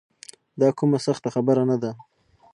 دا کومه سخته خبره نه ده.